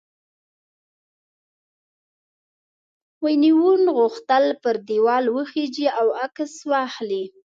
وین وون غوښتل پر دیوال وخیژي او عکس واخلي.